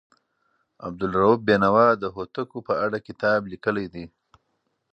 عبدالروف بېنوا د هوتکو په اړه کتاب لیکلی دی.